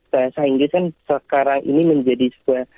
bahasa inggris kan sekarang ini menjadi sebuah